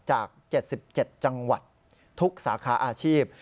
จาก๗๗จังหวัดทุกสาขาอาชีพ